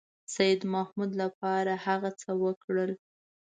سیدمحمود لپاره هغه څه وکړل.